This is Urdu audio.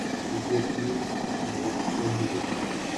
مجھے یقین ہے اچھا ہی ہو گا۔